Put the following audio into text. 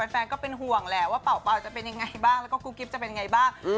แฟนก็เป็นห่วงแหละว่าเป่าจะเป็นยังไงบ้างแล้วก็กุ๊กกิ๊บจะเป็นไงบ้าง